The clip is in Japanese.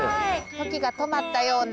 時が止まったような。